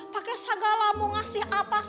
pakai segala mau ngasih apa